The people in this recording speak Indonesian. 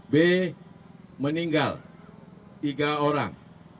b meninggal tiga orang